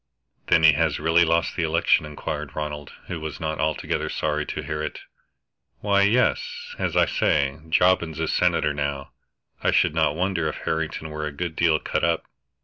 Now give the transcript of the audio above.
"Then he has really lost the election?" inquired Ronald, who was not altogether sorry to hear it. "Why, yes as I say, Jobbins is senator now. I should not wonder if Harrington were a good deal cut up.